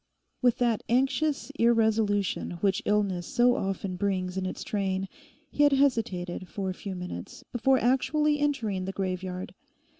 With that anxious irresolution which illness so often brings in its train he had hesitated for a few minutes before actually entering the graveyard.